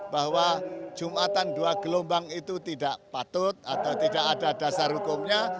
bahwa jumatan dua gelombang itu tidak patut atau tidak ada dasar hukumnya